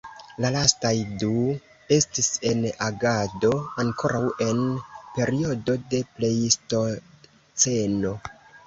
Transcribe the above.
La lastaj du estis en agado ankoraŭ en periodo de plejstoceno.